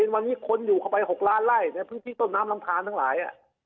วันนี้คนอยู่เข้าไป๖ล้านไล่ในพื้นที่ต้นน้ำลำทานทั้งหลาย